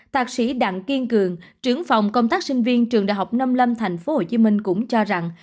thạc sĩ đặng kiên cường trưởng phòng công tác sinh viên trường đại học năm mươi năm tp hcm cũng cho rằng